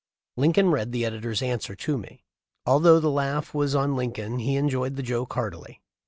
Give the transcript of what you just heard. Lincoln read the editor's answer to me. Although the laugh was on Lincoln he enjoyed the joke heartily.